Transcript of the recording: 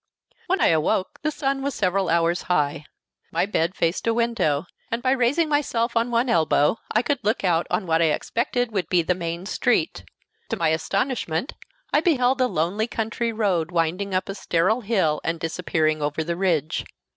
When I awoke, the sun was several hours high. My bed faced a window, and by raising myself on one elbow I could look out on what I expected would be the main street. To my astonishment I beheld a lonely country road winding up a sterile hill and disappearing over the ridge.